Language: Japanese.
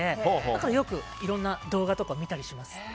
だからよくいろんな動画とかを見たりします。